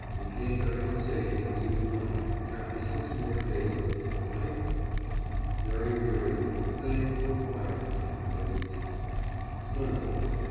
and came back in safety to , after six more days of LIFE? Very weary, and thankful for quiet and my valise. _Sunday, Jan.